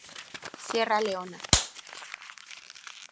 Sierra Leona